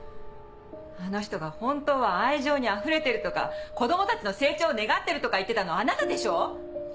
あの人が本当は愛情にあふれてるとか子供たちの成長を願ってるとか言ってたのはあなたでしょ？